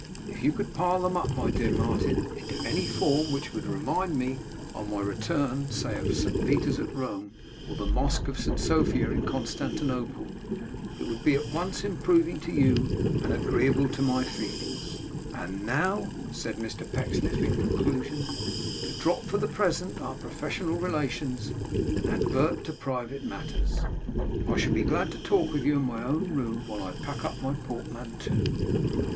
If you could pile them up my dear Martin, into any form which would remind me on my return say of St. Peter's at Rome, or the Mosque of St. Sophia at Constantinople, it would be at once improving to you and agreeable to my feelings. And now,' said Mr Pecksniff, in conclusion, 'to drop, for the present, our professional relations and advert to private matters, I shall be glad to talk with you in my own room, while I pack up my portmanteau.